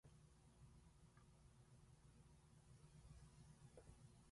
The Company's motto is "Vinum Exhilarat Animum", Latin for "Wine Cheers the Spirit".